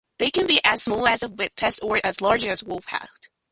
They can be as small as a whippet or as large as a wolfhound.